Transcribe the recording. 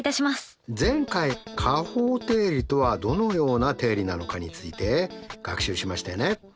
前回加法定理とはどのような定理なのかについて学習しましたよね。